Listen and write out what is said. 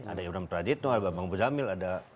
ada yudham trajitno ada bang buzamil ada